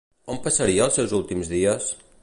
On passaria els seus últims dies?